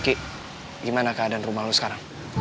ki gimana keadaan rumah lo sekarang